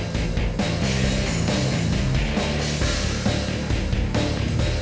dan lu dimana aja